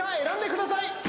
選んでください。